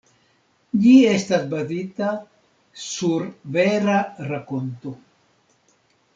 Ĝi estas bazita sur vera rakonto.